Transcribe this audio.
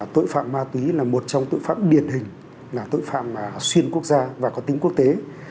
tội phạm ma túy là một trong tội phạm điển hình là tội phạm xuyên quốc gia và có tính quốc tế